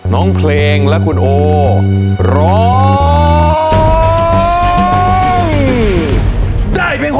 น้องเพลงและคุณโอร้อง